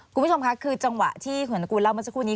คุณผู้ชมค่ะคือจังหวะที่คุณนกูลเล่าเมื่อสักครู่นี้